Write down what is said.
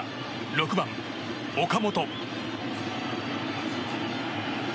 ６番、岡本。